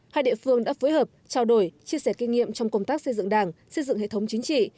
hai địa phương đã phối hợp trao đổi chia sẻ kinh nghiệm trong công tác xây dựng đảng xây dựng hệ thống chính trị